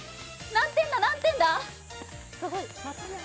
何点だ、何点だ？